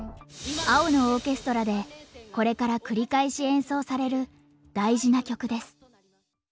「青のオーケストラ」でこれから繰り返し演奏される大事な曲です。